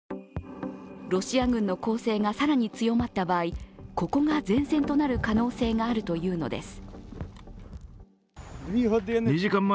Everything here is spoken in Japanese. ロシア軍の攻勢が更に強まった場合ここが前線となる可能性があるというのです。